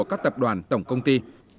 các tập đoàn tổng công ty